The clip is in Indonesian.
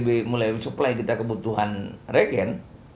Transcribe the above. tapi setelah bnpb mulai supply kita kebutuhan regen